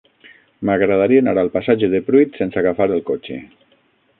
M'agradaria anar al passatge de Pruit sense agafar el cotxe.